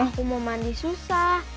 aku mau mandi susah